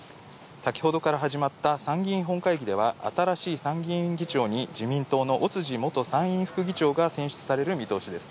さきほどから始まった参議院本会議では新しい参議院議長に自民党の尾辻元参院副議長が選出される見通しです。